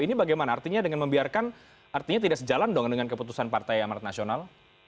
ini bagaimana artinya dengan membiarkan artinya tidak sejalan dong dengan keputusan partai amarat nasional